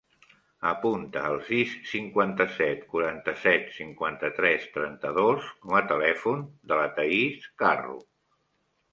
Apunta el sis, cinquanta-set, quaranta-set, cinquanta-tres, trenta-dos com a telèfon de la Thaís Carro.